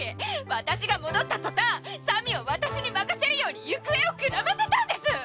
私が戻った途端さみを私に任せるように行方をくらませたんです！